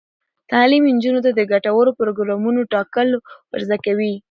تعلیم نجونو ته د ګټورو پروګرامونو ټاکل ور زده کوي.